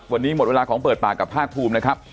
วันนี้หมดเวลาของเปิดปากกับภาคภูมินะครับ